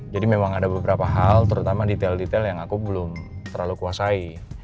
jadi memang ada beberapa hal terutama detail detail yang aku belum terlalu kuasai